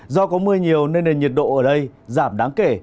do có mưa nhiều nên nền nhiệt độ ở đây giảm đáng kể